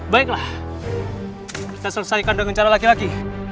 baiklah kita selesaikan dengan cara laki laki